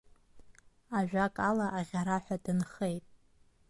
Ажәакала, аӷьараҳәа дынхеит.